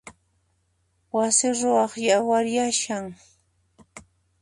Wasi ruwaq yawaryashan.